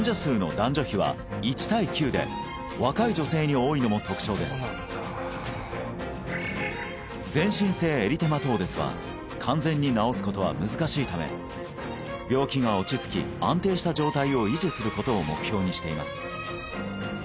私の場合はなんですけどこう全身性エリテマトーデスは完全に治すことは難しいため病気が落ち着き安定した状態を維持することを目標にしています